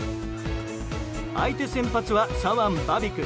相手先発は左腕、バビク。